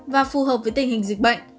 và phù hợp với tình hình dịch bệnh